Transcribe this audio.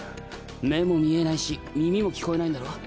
目も見えないし耳も聞こえないんだろ？